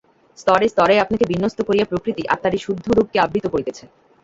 স্তরে স্তরে আপনাকে বিন্যস্ত করিয়া প্রকৃতি আত্মার এই শুদ্ধ রূপকে আবৃত করিতেছে।